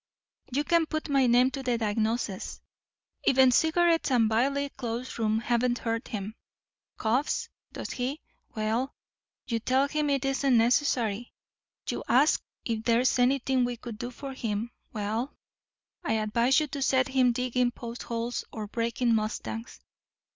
You can put my name to the diagnosis. Even cigarettes and a vilely close room haven't hurt him. Coughs, does he? Well, you tell him it isn't necessary. You asked if there is anything we could do for him. Well, I advise you to set him digging post holes or breaking mustangs.